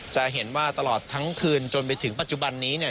จะเห็นว่าตลอดทั้งคืนจนไปถึงปัจจุบันนี้เนี่ย